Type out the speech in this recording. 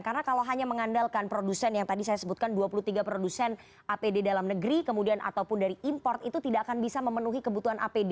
karena kalau hanya mengandalkan produsen yang tadi saya sebutkan dua puluh tiga produsen apd dalam negeri kemudian ataupun dari impor itu tidak akan bisa memenuhi kebutuhan apd